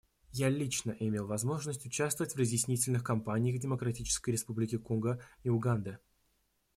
Я лично имел возможность участвовать в разъяснительных кампаниях в Демократической Республике Конго и Уганде.